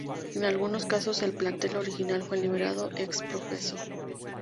En algunos casos el plantel original fue liberado ex profeso.